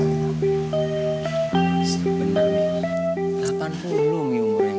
sebenarnya delapan puluh mi umurnya